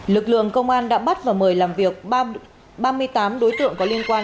lực lượng công an đã bắt và mời làm việc ba mươi tám đối tượng có liên quan